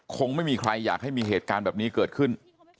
คงไม่มีใครอยากให้มีเหตุการณ์แบบนี้เกิดขึ้น